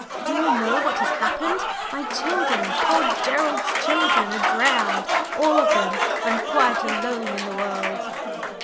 "Do you know what has happened? My children poor Gerald's children are drowned, all of them. I am quite alone in the world."